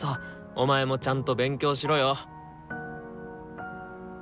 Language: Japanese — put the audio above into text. お前もちゃんと勉強しろよ！